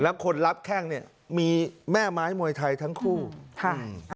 แล้วคนรับแข้งเนี่ยมีแม่ไม้มวยไทยทั้งคู่ค่ะ